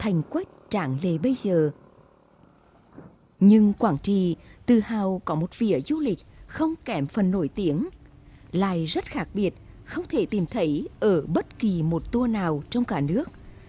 nhưng quảng trì tự hào có một vỉa du lịch không kém phần nổi tiếng lại rất khác biệt không thể tìm thấy ở bất kỳ một tour nào trong cả nước